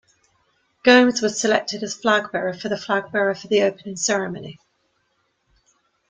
Gomes was selected as flag bearer for the flag bearer for the opening ceremony.